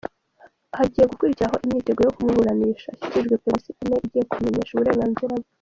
Hagiye gukurikiraho imyiteguro yo kumuburanisha, ashyikirijwe polisi ari nayo igiye kumumenyesha uburenganzira bwe.